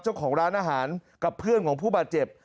เจ้าของร้านอาหารกับเพื่อนของผู้บาดเจ็บ